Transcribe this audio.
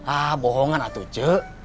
ah bohongan atuh cek